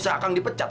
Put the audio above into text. saya akan dipecat